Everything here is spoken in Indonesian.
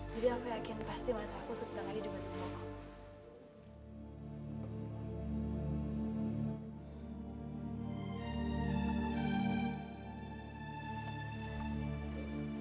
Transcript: jadi aku yakin pasti mata aku sebentar lagi dimasukin lo kok